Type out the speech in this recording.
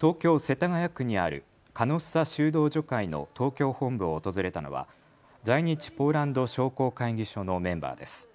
東京世田谷区にあるカノッサ修道女会の東京本部を訪れたのは在日ポーランド商工会議所のメンバーです。